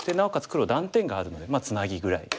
黒断点があるのでツナギぐらい。